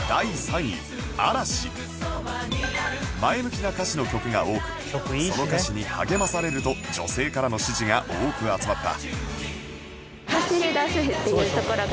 前向きな歌詞の曲が多くその歌詞に励まされると女性からの支持が多く集まった